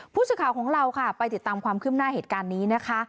ผู้สื่อข่าวของเราค่ะไปติดตามความคืบหน้าเหตุการณ์นี้นะคะ